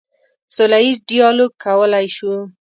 سوله ییز ډیالوګ کولی شو.